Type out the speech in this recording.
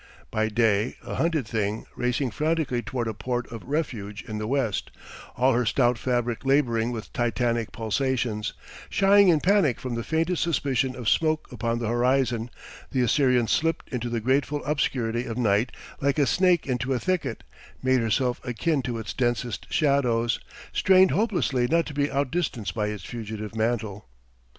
By day a hunted thing, racing frantically toward a port of refuge in the West, all her stout fabric labouring with titanic pulsations, shying in panic from the faintest suspicion of smoke upon the horizon, the Assyrian slipped into the grateful obscurity of night like a snake into a thicket, made herself akin to its densest shadows, strained hopelessly not to be outdistanced by its fugitive mantle.